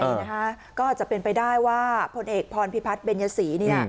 ก็อาจจะเป็นไปได้ว่าผลเอกพรพิพัฒน์เบญยศรี